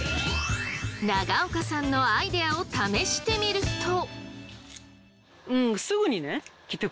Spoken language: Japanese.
永岡さんのアイデアを試してみると。